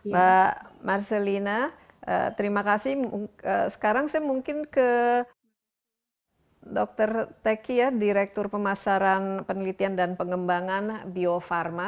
pak marcelina terima kasih sekarang saya mungkin ke dr teki ya direktur pemasaran penelitian dan pengembangan bio farma